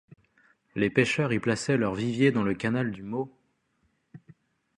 Les pêcheurs y plaçaient leurs viviers dans le canal du Mau.